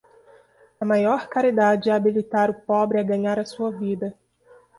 A maior caridade é habilitar o pobre a ganhar a sua vida.